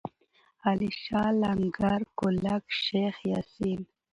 علیشه، لنگر، کولک، شیخ یاسین.